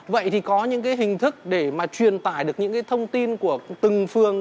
vậy thì có những cái hình thức để mà truyền tải được những cái thông tin của từng phường